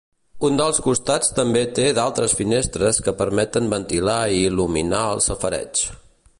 Un dels costats també té d'altres finestres que permeten ventilar i il·luminar el safareig.